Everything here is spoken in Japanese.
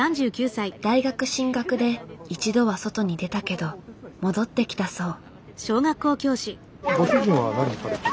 大学進学で一度は外に出たけど戻ってきたそう。